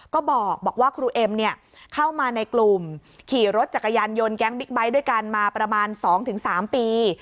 ก็บอกว่าครูเอ็มเข้ามาในกลุ่มขี่รถจักรยานยนต์แก๊งบิ๊กไบท์ด้วยกันมาประมาณ๒๓ปี